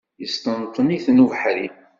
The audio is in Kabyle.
Yesṭenṭen-itent ubeḥri.